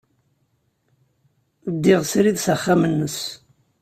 Ddiɣ srid s axxam-nnes.